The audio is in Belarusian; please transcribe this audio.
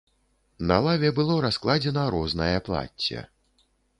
На лаве было раскладзена рознае плацце.